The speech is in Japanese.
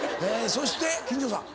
そして金城さん